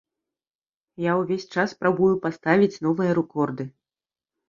Я ўвесь час спрабую паставіць новыя рэкорды.